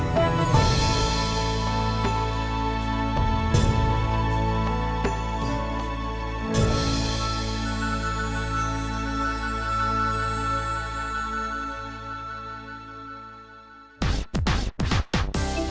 จากประวัติบันดาลเมีย